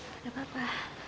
tak ada papa